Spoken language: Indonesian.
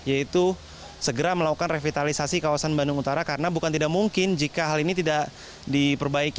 yaitu segera melakukan revitalisasi kawasan bandung utara karena bukan tidak mungkin jika hal ini tidak diperbaiki